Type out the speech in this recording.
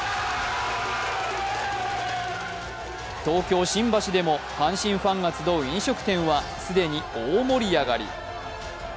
東京・新橋でも阪神ファンが集う飲食店は既に大盛り上がり。